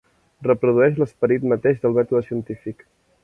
Reprodueix l'esperit mateix del mètode científic.